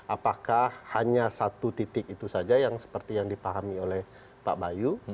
apakah hanya satu titik itu saja yang seperti yang dipahami oleh pak bayu